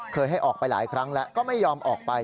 ให้ออกไปหลายครั้งแล้วก็ไม่ยอมออกไป